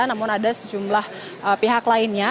namun ada sejumlah pihak lainnya